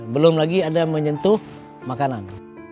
belum lagi ada menyentuh makanan